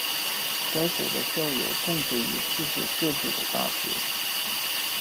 该所的校友供职于世界各地的大学。